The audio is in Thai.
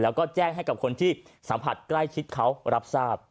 แล้วก็แจ้งให้กับคนที่สัมผัสใกล้ชิดเขารับทราบ